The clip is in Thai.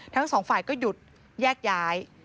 ทั้งสองฝ่ายก็หยุดแยกย้าย